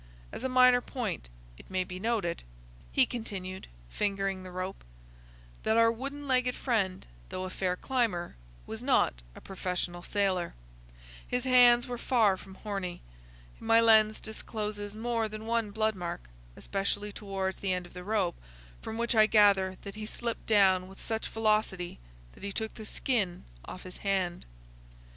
As a minor point it may be noted," he continued, fingering the rope, "that our wooden legged friend, though a fair climber, was not a professional sailor. His hands were far from horny. My lens discloses more than one blood mark, especially towards the end of the rope, from which I gather that he slipped down with such velocity that he took the skin off his hand."